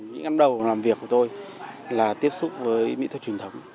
những năm đầu làm việc của tôi là tiếp xúc với mỹ thuật truyền thống